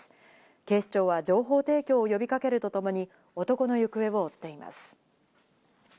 警視庁は情報提供を呼びかけるとともに、男の行方を追っています。